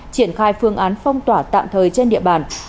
triển khai phương án phong tỏa tạm thời trên địa bàn